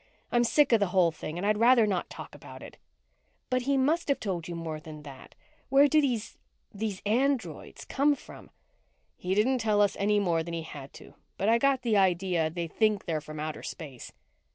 I'm sick of the whole thing and I'd rather not talk about it." "But he must have told you more than that. Where do these these androids come from?" "He didn't tell us any more than he had to, but I got the idea they think they're from outer space."